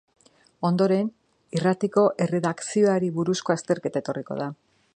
Ondoren, irratiko erredakzioari buruzko azterketa etorriko da.